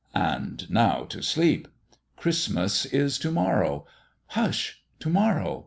And now to sleep. Christmas is to morrow. Hush ! To morrow.